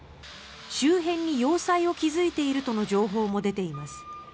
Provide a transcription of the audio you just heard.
周辺に要塞を築いているとの情報も出ています。